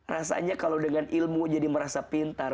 rasanya kalau dengan ilmu jadi merasa pintar